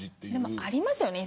でもありますよね